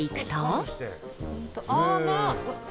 ああまあ！